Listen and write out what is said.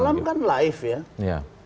malam kan live ya